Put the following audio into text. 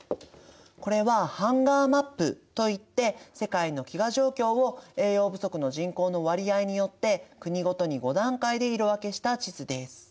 これはハンガーマップといって世界の飢餓状況を栄養不足の人口の割合によって国ごとに５段階で色分けした地図です。